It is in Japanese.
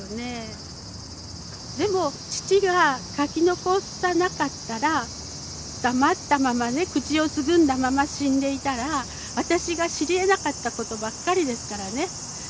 でも父が書き残さなかったら黙ったままね口をつぐんだまま死んでいたら私が知りえなかったことばっかりですからね。